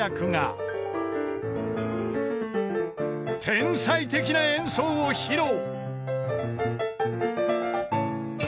［天才的な演奏を披露］